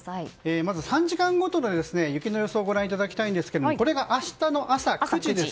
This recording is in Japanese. まず３時間ごとの雪の予想をご覧いただきたいんですがこれが明日の朝９時です。